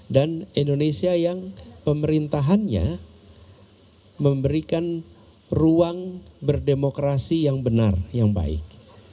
dan indonesia yang pemerintahannya memberikan ruang berdemokrasi yang benar yang baik